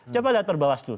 coba lihat perbawaslu